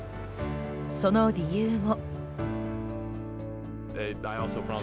その理由も。